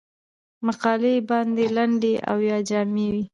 مقالې باید لنډې او جامع وي.